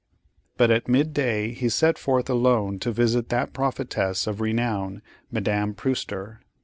But at midday he set forth alone to visit that prophetess of renown, Madame Prewster.